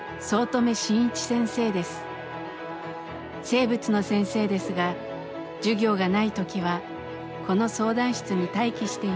生物の先生ですが授業がない時はこの相談室に待機しています。